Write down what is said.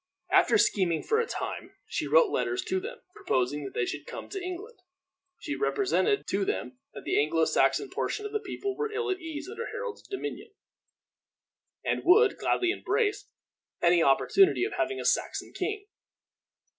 After scheming for a time, she wrote letters to them, proposing that they should come to England. She represented to them that the Anglo Saxon portion of the people were ill at ease under Harold's dominion, and would gladly embrace any opportunity of having a Saxon king.